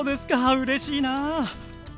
うれしいな。